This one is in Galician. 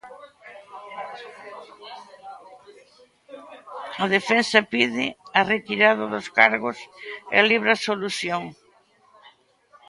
A defensa pide a retirada dos cargos e a libre absolución.